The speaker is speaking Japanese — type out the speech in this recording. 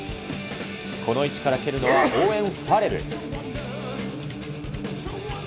この位置から蹴るのは、オーウェン・ファレル。